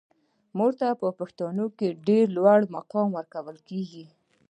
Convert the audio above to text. مور ته په پښتنو کې ډیر لوړ مقام ورکول کیږي.